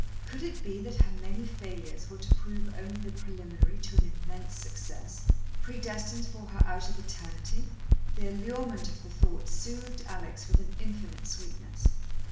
Could it be that her many failures were to prove only the preliminary to an immense success, predestined for her out of Eternity? The allurement of the thought soothed Alex with an infinite sweetness.